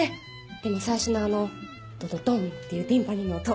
でも最初のあのドドドンっていうティンパニの音。